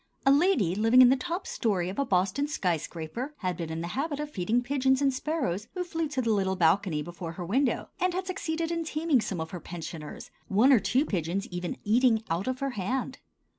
A lady living in the top story of a Boston skyscraper had been in the habit of feeding the pigeons and sparrows who flew to the little balcony before her window, and had succeeded in taming some of her pensioners, one or two pigeons even eating out of her hand.